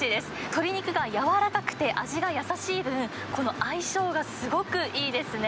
鶏肉が柔らかくて味がやさしい分、この相性がすごくいいですね。